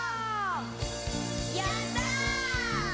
「やった」